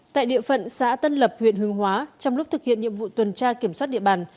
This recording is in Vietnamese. tại địa phận xã tân lập huyện hương hóa trong lúc thực hiện nhiệm vụ tuần tra kiểm soát địa bàn